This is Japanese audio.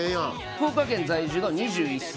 福岡県在住の２１歳。